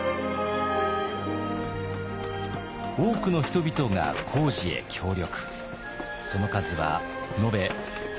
多くの人々が工事へ協力。